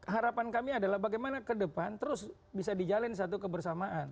harapan kami adalah bagaimana ke depan terus bisa dijalin satu kebersamaan